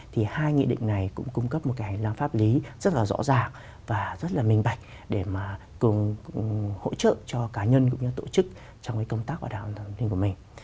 thì hai nghị định này cũng cung cấp một cái hành lang pháp lý rất là rõ ràng và rất là minh bạch để mà cùng hỗ trợ cho cá nhân cũng như tổ chức trong cái công tác bảo đảm an toàn của mình